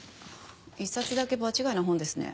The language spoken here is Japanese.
１冊だけ場違いな本ですね。